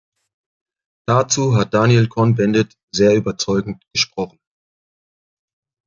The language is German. Dazu hat Daniel Cohn-Bendit sehr überzeugend gesprochen.